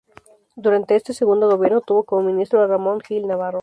Durante este segundo gobierno tuvo como ministro a Ramón Gil Navarro.